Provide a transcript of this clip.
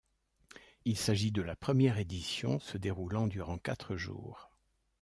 Il s'agit de la première édition se déroulant durant quatre jours.